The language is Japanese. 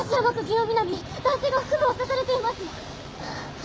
男性が腹部を刺されています！